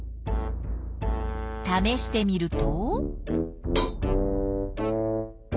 ためしてみると。